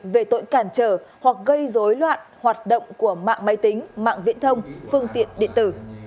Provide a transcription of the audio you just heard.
về tội cản trở hoặc gây dối loạn hoạt động của mạng máy tính mạng viễn thông phương tiện điện tử